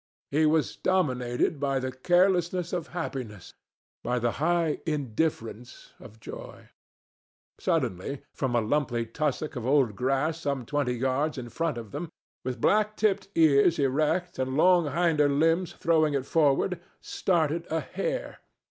He was dominated by the carelessness of happiness, by the high indifference of joy. Suddenly from a lumpy tussock of old grass some twenty yards in front of them, with black tipped ears erect and long hinder limbs throwing it forward, started a hare.